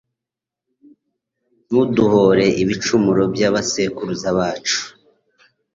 Ntuduhore ibicumuro by’aba sekuruza bacu